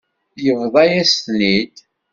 Yebḍa-yas-ten-id.